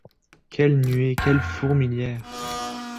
Quelle nuée, quelle fourmilière !